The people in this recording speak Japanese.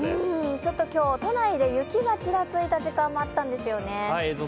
ちょっと今日、都内で雪がちらついた時間もあったんですよね。